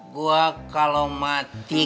gue kalau mati